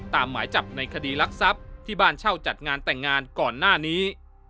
หมายจับในคดีรักทรัพย์ที่บ้านเช่าจัดงานแต่งงานก่อนหน้านี้